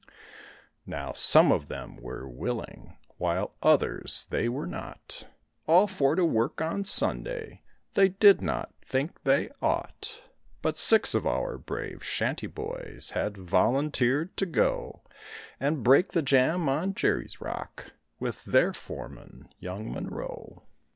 Now, some of them were willing, while others they were not, All for to work on Sunday they did not think they ought; But six of our brave shanty boys had volunteered to go And break the jam on Gerry's Rock with their foreman, young Monroe.